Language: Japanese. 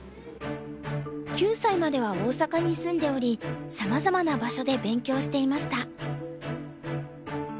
９歳までは大阪に住んでおりさまざまな場所で勉強していました。